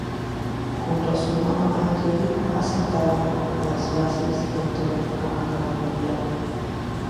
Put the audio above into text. Junto con su hermano Ángel ha sentado las bases del toreo a caballo actual.